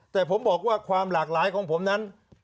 แต่ผมบอกว่าความหลากหลายของผมนั้น